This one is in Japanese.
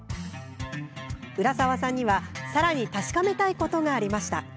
浦沢さんには、さらに確かめたいことがありました。